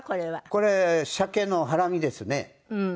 これシャケのハラミですね。